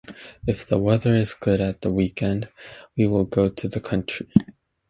If the weather is good at the weekend, we will go to the country.